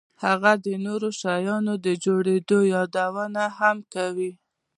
هغه د نورو شیانو د جوړېدو یادونه هم کوي